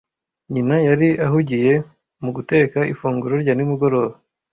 Nyina yari ahugiye mu guteka ifunguro rya nimugoroba.